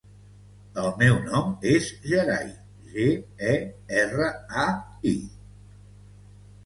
El meu nom és Gerai: ge, e, erra, a, i.